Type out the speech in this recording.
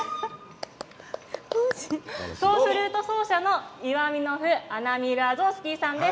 とうふるーと奏者のイワミノフ・アナミール・アゾースキーさんです。